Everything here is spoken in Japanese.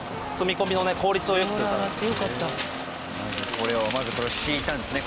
これをまずこれを敷いたんですね